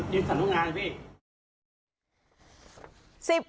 ยึดสนุกงานพี่